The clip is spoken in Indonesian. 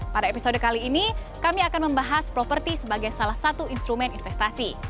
pada episode kali ini kami akan membahas properti sebagai salah satu instrumen investasi